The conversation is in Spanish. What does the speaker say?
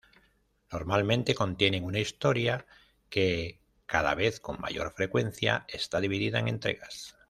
Normalmente contienen una historia que, cada vez con mayor frecuencia, está dividida en entregas.